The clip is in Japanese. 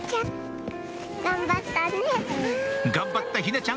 頑張った陽菜ちゃん